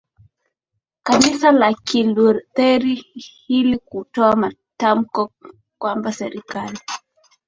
kanisa la kilutheri hili kutoa tamko kwamba serikali